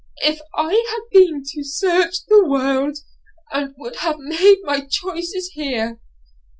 if I had been to search the world, I would have made my choice here.'